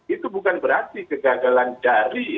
itu bukan berarti kegagalan dari